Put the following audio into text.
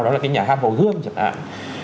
đó là cái nhà hát vào gươm chẳng hạn